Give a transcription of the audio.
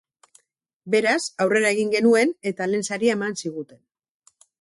Beraz, aurrera egin genuen eta lehen saria eman ziguten.